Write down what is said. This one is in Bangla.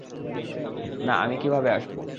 না আমি কিভাবে আসবো?